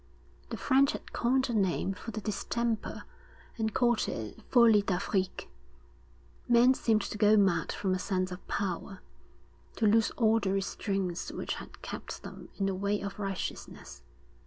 The French had coined a name for the distemper and called it folie d'Afrique. Men seemed to go mad from a sense of power, to lose all the restraints which had kept them in the way of righteousness.